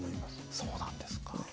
そうなんですか。